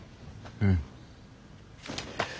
うん。